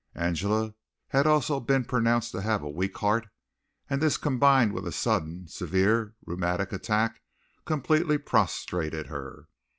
Angela had also been pronounced to have a weak heart, and this combined with a sudden, severe rheumatic attack completely prostrated her.